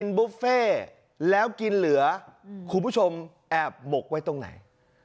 บุฟเฟ่แล้วกินเหลือคุณผู้ชมแอบหมกไว้ตรงไหน